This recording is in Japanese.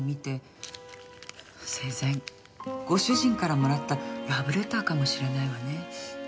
生前ご主人からもらったラブレターかもしれないわね。